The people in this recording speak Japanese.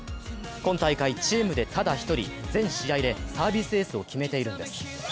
今大会チームでただ１人、全試合でサービスエースを決めているんです。